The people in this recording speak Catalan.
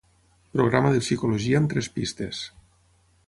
Programa de Psicologia amb tres pistes.